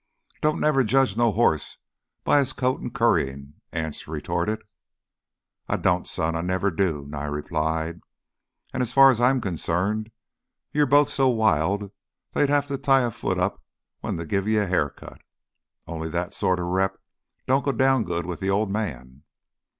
"Don't never judge no hoss by his coat an' curryin'," Anse retorted. "I don't, son. I never do," Nye replied. "As far as I'm concerned, you're both so wild they have to tie a foot up when they give you a haircut. Only, that sort of rep don't go down good with th' Old Man."